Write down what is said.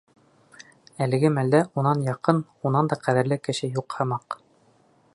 Әлеге мәлдә унан яҡын, унан да ҡәҙерле кеше юҡ һымаҡ ине.